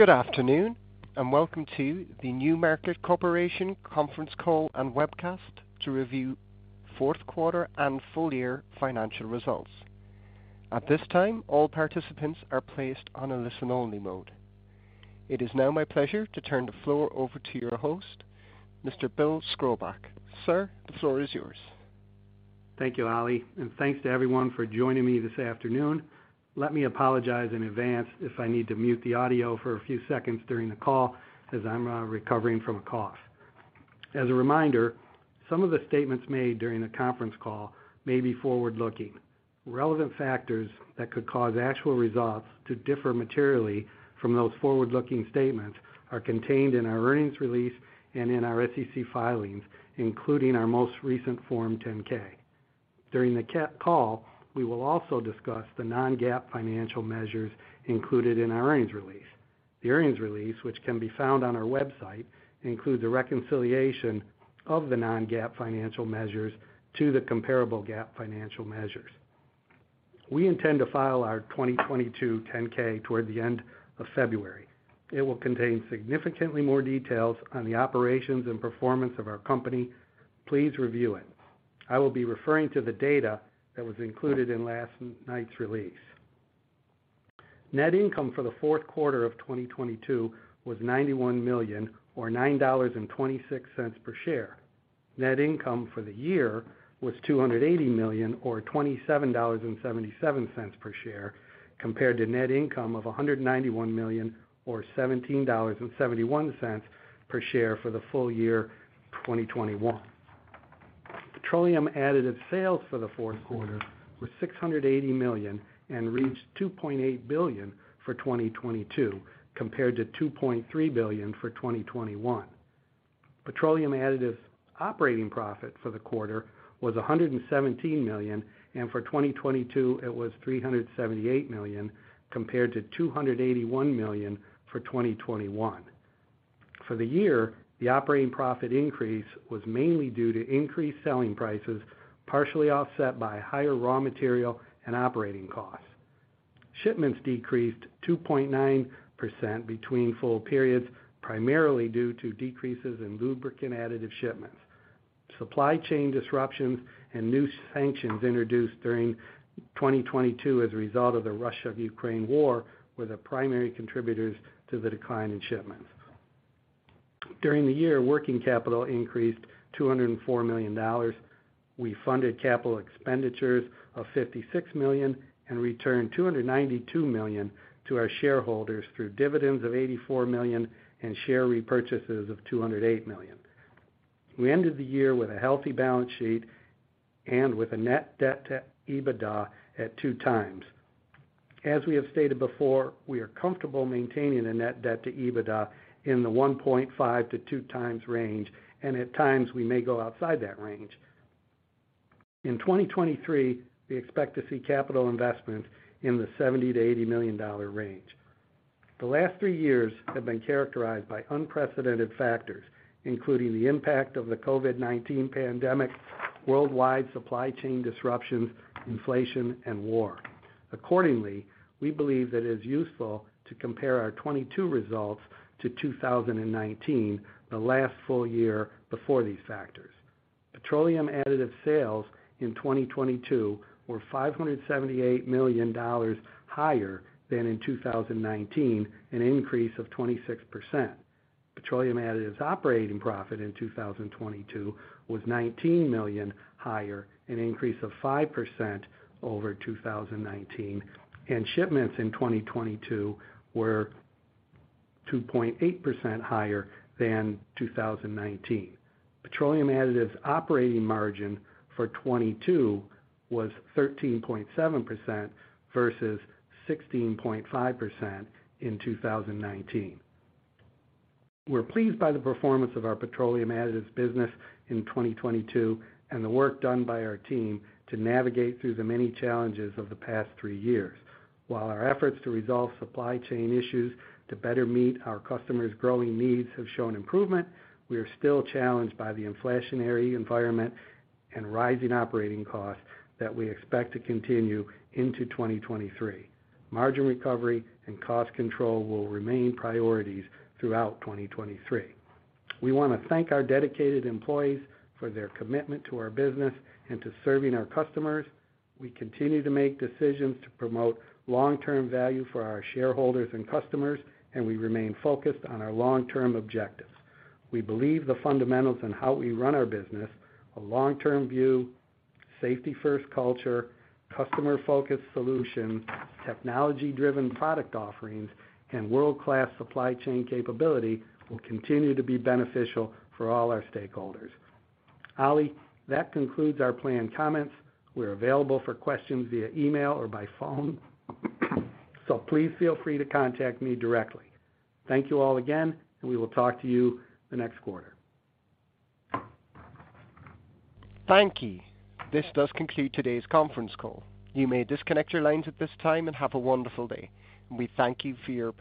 Good afternoon. Welcome to the NewMarket Corporation conference call and webcast to review fourth quarter and full year financial results. At this time, all participants are placed on a listen only mode. It is now my pleasure to turn the floor over to your host, Mr. Bill Skrobacz. Sir, the floor is yours. Thank you, Ali, thanks to everyone for joining me this afternoon. Let me apologize in advance if I need to mute the audio for a few seconds during the call as I'm recovering from a cough. As a reminder, some of the statements made during the conference call may be forward-looking. Relevant factors that could cause actual results to differ materially from those forward-looking statements are contained in our earnings release and in our SEC filings, including our most recent Form 10-K. During the call, we will also discuss the non-GAAP financial measures included in our earnings release. The earnings release, which can be found on our website, includes a reconciliation of the non-GAAP financial measures to the comparable GAAP financial measures. We intend to file our 2022 10-K toward the end of February. It will contain significantly more details on the operations and performance of our company. Please review it. I will be referring to the data that was included in last night's release. Net income for the fourth quarter of 2022 was $91 million or $9.26 per share. Net income for the year was $280 million or $27.77 per share, compared to net income of $191 million or $17.71 per share for the full year 2021. Petroleum additive sales for the fourth quarter was $680 million and reached $2.8 billion for 2022, compared to $2.3 billion for 2021. Petroleum additives operating profit for the quarter was $117 million, and for 2022 it was $378 million, compared to $281 million for 2021. For the year, the operating profit increase was mainly due to increased selling prices, partially offset by higher raw material and operating costs. Shipments decreased 2.9% between full periods, primarily due to decreases in lubricant additive shipments. Supply chain disruptions and new sanctions introduced during 2022 as a result of the Russia-Ukraine war were the primary contributors to the decline in shipments. During the year, working capital increased $204 million. We funded capital expenditures of $56 million and returned $292 million to our shareholders through dividends of $84 million and share repurchases of $208 million. We ended the year with a healthy balance sheet and with a net debt to EBITDA at 2x. As we have stated before, we are comfortable maintaining a net debt to EBITDA in the 1.5x-2x range, and at times we may go outside that range. In 2023, we expect to see capital investment in the $70 million-$80 million range. The last three years have been characterized by unprecedented factors, including the impact of the COVID-19 pandemic, worldwide supply chain disruptions, inflation and war. Accordingly, we believe that it is useful to compare our 2022 results to 2019, the last full year before these factors. Petroleum additive sales in 2022 were $578 million higher than in 2019, an increase of 26%. Petroleum additives operating profit in 2022 was $19 million higher, an increase of 5% over 2019, and shipments in 2022 were 2.8% higher than 2019. Petroleum additives operating margin for 2022 was 13.7% versus 16.5% in 2019. We're pleased by the performance of our petroleum additives business in 2022 and the work done by our team to navigate through the many challenges of the past three years. While our efforts to resolve supply chain issues to better meet our customers' growing needs have shown improvement, we are still challenged by the inflationary environment and rising operating costs that we expect to continue into 2023. Margin recovery and cost control will remain priorities throughout 2023. We wanna thank our dedicated employees for their commitment to our business and to serving our customers. We continue to make decisions to promote long-term value for our shareholders and customers. We remain focused on our long-term objectives. We believe the fundamentals on how we run our business, a long-term view, safety first culture, customer focused solution, technology driven product offerings and world-class supply chain capability will continue to be beneficial for all our stakeholders. Ali, that concludes our planned comments. We're available for questions via email or by phone. Please feel free to contact me directly. Thank you all again. We will talk to you the next quarter. Thank you. This does conclude today's conference call. You may disconnect your lines at this time and have a wonderful day. We thank you for your participation.